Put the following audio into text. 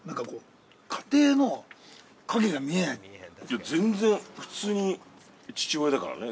◆いや全然普通に父親だからね